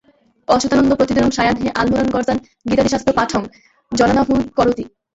অচ্যুতানন্দ প্রতিদিনং সায়াহ্ণে আলমোড়ানগর্যাং গীতাদিশাস্ত্রপাঠং জনানাহূয় করোতি।